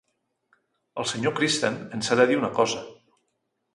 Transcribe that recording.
El senyor Kristen ens ha de dir una cosa.